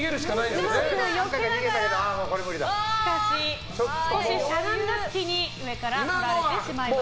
しかし、少ししゃがんだ隙に上からとられてしまいました。